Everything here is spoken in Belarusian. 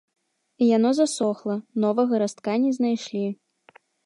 Яно засохла, новага растка не знайшлі.